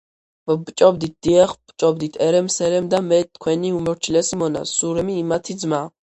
ვბჭობდით, დიაღ, ვბჭობდით ერემ, სერემ და მე, თქვენი უმორჩილესი მონა, სურემი, იმათი ძმა.